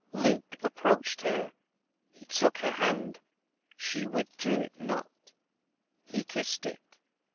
Luke approached her; he took her hand she withdrew it not. He kissed it.